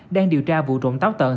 đang điều tra vụ trộm táo tợn